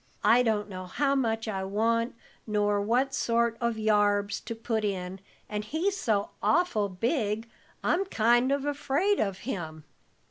"I don't know how much I want, nor what sort of yarbs to put in, and he's so awful big, I'm kind of afraid of him."